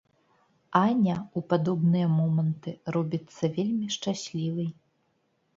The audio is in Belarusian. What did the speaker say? Аня ў падобныя моманты робіцца вельмі шчаслівай.